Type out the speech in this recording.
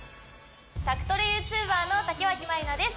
宅トレＹｏｕＴｕｂｅｒの竹脇まりなです